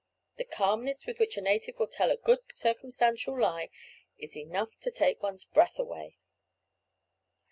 The calmness with which a native will tell a good circumstantial lie is enough to take one's breath away."